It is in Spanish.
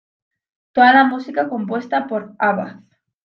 Toda la música compuesta por Abbath.